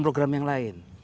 program yang lain